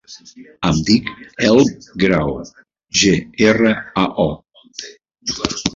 Em dic Elm Grao: ge, erra, a, o.